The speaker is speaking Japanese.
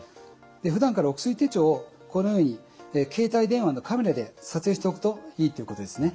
ふだんからお薬手帳をこのように携帯電話のカメラで撮影しておくといいということですね。